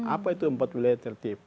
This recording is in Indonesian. apa itu empat wilayah tertib